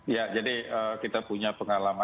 ya jadi kita punya pengalaman